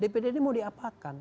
dpd ini mau diapakan